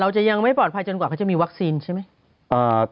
จะยังไม่ปลอดภัยจนกว่าเขาจะมีวัคซีนใช่ไหม